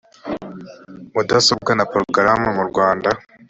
mudasobwa na porogaramu murwanda